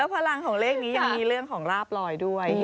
พลังของเลขนี้ยังมีเรื่องของราบลอยด้วย